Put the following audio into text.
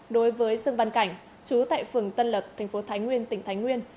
đối với dương văn cảnh chú tại phường tân lập tp thái nguyên tỉnh thái nguyên